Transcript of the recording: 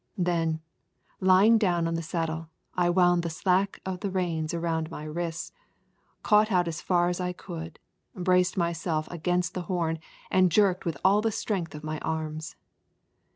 Then, lying down on the saddle, I wound the slack of the reins around my wrists, caught out as far as I could, braced myself against the horn, and jerked with all the strength of my arms.